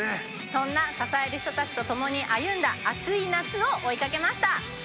そんな支える人たちと共に歩んだ熱い夏を追い掛けました。